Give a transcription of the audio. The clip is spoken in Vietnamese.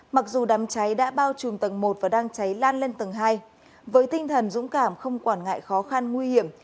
mặc dù đám cháy đã bao trùm tầng một và đang cháy lan lên tầng hai với tinh thần dũng cảm không quản ngại khó khăn nguy hiểm